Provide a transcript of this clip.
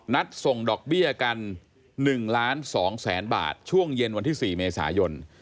ส่งดอกเบี้ยกัน๑ล้าน๒แสนบาทช่วงเย็นวันที่๔เมษายน